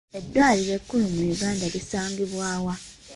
Eddwaliro ekkulu mu Uganda lisangibwa wa?